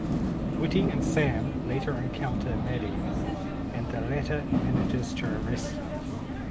Witty and Sam later encounter Maddie and the latter manages to arrest him.